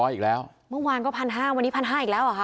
อีกแล้วเมื่อวานก็๑๕๐๐วันนี้๑๕๐๐อีกแล้วเหรอคะ